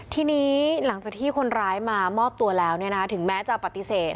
ทีนี้หลังจากที่คนร้ายมามอบตัวแล้วถึงแม้จะปฏิเสธ